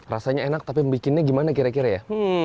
rasanya enak tapi membuatnya bagaimana kira kira ya